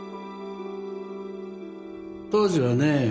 当時はね